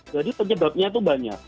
jadi penyebabnya itu banyak